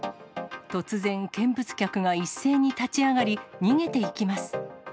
突然、見物客が一斉に立ち上がり、逃げていきます。